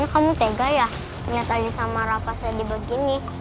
namanya kamu tegas ya lihat ali sama rafa sedih begini